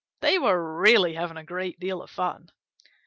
They were really having a great deal of fun.